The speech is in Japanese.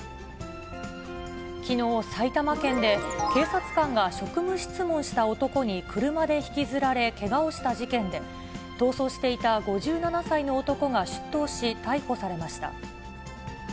きのう、埼玉県で、警察官が職務質問した男に車で引きずられけがをした事件で、逃走していた５７歳の男が出頭し、逮捕されました。